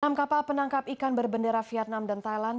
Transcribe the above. enam kapal penangkap ikan berbendera vietnam dan thailand